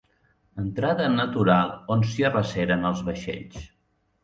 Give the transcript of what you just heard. Entrada natural on s'hi arreceren els vaixells.